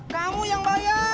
kamu yang bayar